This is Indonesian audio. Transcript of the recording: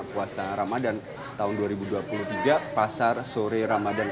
puasa ramadhan tahun dua ribu dua puluh tiga pasar sore ramadhan kauman itu di tempat yang sudah berakhir ini